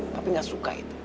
tapi kamu bisa mengingat